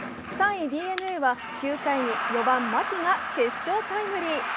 ３位・ＤｅＮＡは９回に４番・牧が決勝タイムリー。